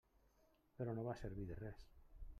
Però no va servir de res.